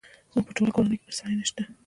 زموږ په ټوله کورنۍ کې بد سړی نه شته!